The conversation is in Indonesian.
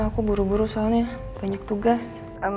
aku buru buru soalnya banyak tugas